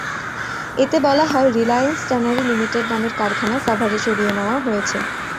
এতে বলা হয়, রিলায়েন্স ট্যানারি লিমিটেড নামের কারখানা সাভারে সরিয়ে নেওয়া হয়েছে।